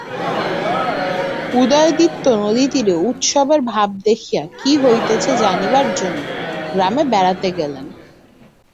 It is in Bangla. উদয়াদিত্য নদীতীরে উৎসবের ভাব দেখিয়া কী হইতেছে জানিবার জন্য গ্রামে বেড়াইতে গেলেন।